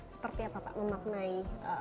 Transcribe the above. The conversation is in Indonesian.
seperti apa pak memaknai